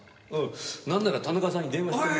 なんなら田中さんに電話して。